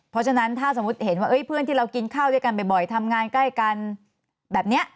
เพราะฉะนั้นถ้าสมมุติเห็นว่าเพื่อนที่เรากินข้าวด้วยกันบ่อยทำงานใกล้กันแบบนี้